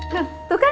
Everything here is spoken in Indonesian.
hah tuh kan